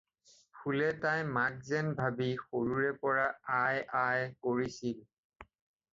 ফুলে তাই মাক যেন ভাবি সৰুৰে পৰা 'আই' 'আই' কৰিছিল।